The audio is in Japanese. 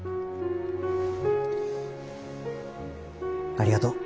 ありがとう。